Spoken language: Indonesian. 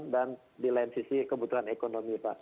dan di lain sisi kebutuhan ekonomi pak